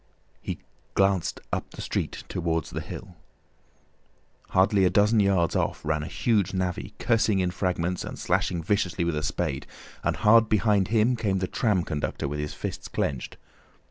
He glanced up the street towards the hill. Hardly a dozen yards off ran a huge navvy, cursing in fragments and slashing viciously with a spade, and hard behind him came the tram conductor with his fists clenched.